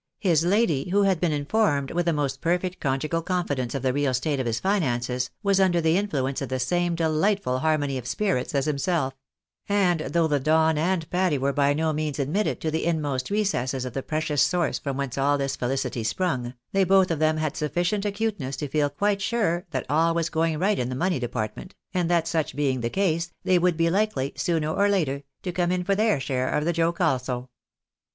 His lady, who had been informed with the most perfect conjugal confidence of the real state of his finances, was under the influence of the same delightful harmony of spirits as himself ; and though the Don and Patty were by no means admitted to the inmost recesses of the precious source from whence all this felicity sprung, they both of them had sufficient acuteness to feel quite sure that all was going light in the money department, and that such being the case, they would be hkely, sooner or later, to come in for their share of the joke also.